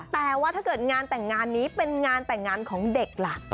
แต่ว่าถ้าเกิดงานแต่งงานนี้เป็นงานแต่งงานของเด็กล่ะ